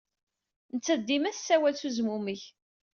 Nettat dima tessawal s uzmumeg.